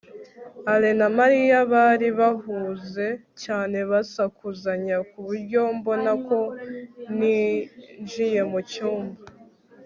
alain na mariya bari bahuze cyane basakuzanya ku buryo mbona ko ninjiye mu cyumba